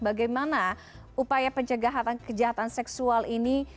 bagaimana upaya pencegahan kejahatan seksual ini